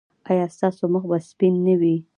ایا ستاسو مخ به سپین نه وي؟